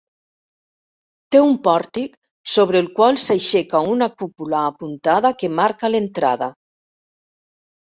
Té un pòrtic sobre el qual s'aixeca una cúpula apuntada que marca l'entrada.